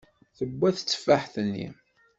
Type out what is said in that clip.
Tewwa tetteffaḥt-nni.